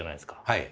はい。